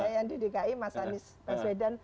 yang didekai mas anies paswedan